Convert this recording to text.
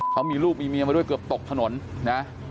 เขามีลูกมีเมียมาด้วยเกือบตกถนนนะ